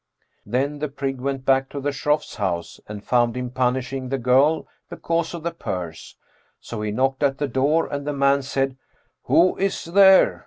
Then the prig went back to the Shroff's house and found him punishing the girl because of the purse; so he knocked at the door and the man said, "Who is there?"